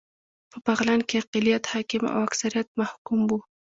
په بغلان کې اقليت حاکم او اکثريت محکوم و